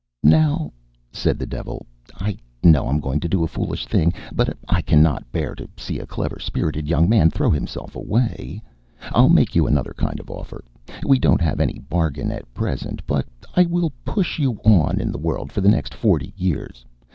"Now," said the devil. "I know I'm going to do a foolish thing, but I cannot bear to see a clever, spirited young man throw himself away. I'll make you another kind of offer. We don't have any bargain at present, but I will push you on in the world for the next forty years.